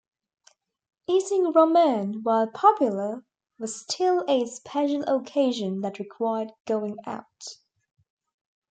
Eating ramen, while popular, was still a special occasion that required going out.